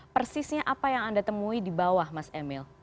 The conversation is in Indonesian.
persisnya apa yang anda temui di bawah mas emil